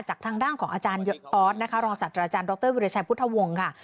จากทางด้านของอาจารย์ออสรองศัตริย์อาจารย์ดรวิริชัยพุทธวงศ์